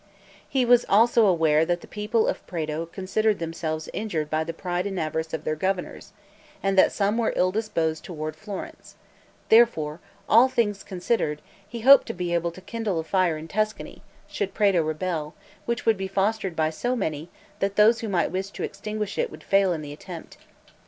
He was also aware that the people of Prato considered themselves injured by the pride and avarice of their governors, and that some were ill disposed toward Florence; therefore all things considered, he hoped to be able to kindle a fire in Tuscany (should Prato rebel) which would be fostered by so many, that those who might wish to extinguish it would fail in the attempt.